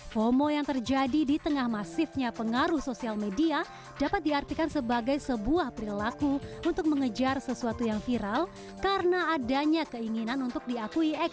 homo yang terjadi di tengah masifnya pengaruh sosial media dapat diartikan sebagai sebuah perilaku untuk mengejar sesuatu yang viral karena adanya keinginan untuk diakui